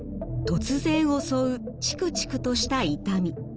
突然襲うチクチクとした痛み。